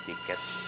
tuh mendingnya tiket